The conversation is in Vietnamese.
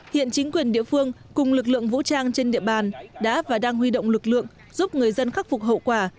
hiện chính quyền địa phương cùng lực lượng vũ trang trên địa bàn đã và đang huy động lực lượng giúp người dân khắc phục hậu quả